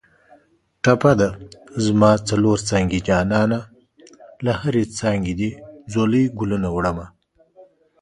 ټپه ده: زما څلور څانګې جانانه له هرې څانګې دې ځولۍ ګلونه وړمه